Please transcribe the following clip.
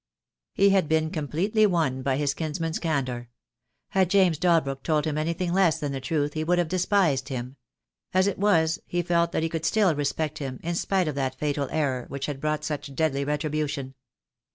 He had been completely won by his kinsman's can dour. Had James Dalbrook told him anything less than the truth he would have despised him. As it was, he felt that he could still respect him, in spite of that fatal error, which had brought such deadly retribution.